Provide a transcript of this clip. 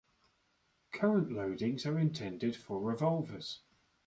Current loadings are intended for revolvers.